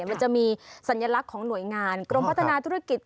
มันจะมีสัญลักษณ์ของหน่วยงานกรมพัฒนาธุรกิจ